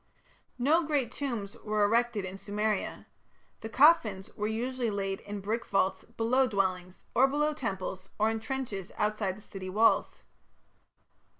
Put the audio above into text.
No great tombs were erected in Sumeria. The coffins were usually laid in brick vaults below dwellings, or below temples, or in trenches outside the city walls.